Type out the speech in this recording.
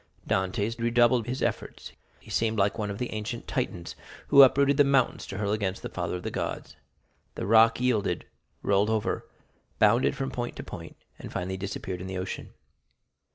Dantès redoubled his efforts; he seemed like one of the ancient Titans, who uprooted the mountains to hurl against the father of the gods. The rock yielded, rolled over, bounded from point to point, and finally disappeared in the ocean.